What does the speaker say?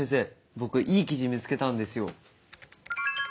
僕いい記事見つけたんですよ。